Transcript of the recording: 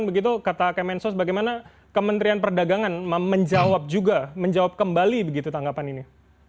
begitu kata kemensos bagaimana kementerian perdagangan menjawab juga menjawab kembali begitu tanggapan ini